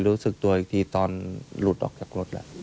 อยู่ทีตอนหลุดออกจากรถแล้ว